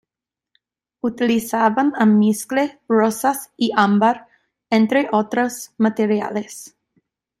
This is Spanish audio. Utilizaban almizcle, rosas y ámbar, entre otros materiales.